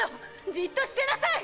じっとしてなさい！